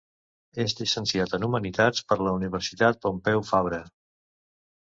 És llicenciat en Humanitats per la Universitat Pompeu Fabra.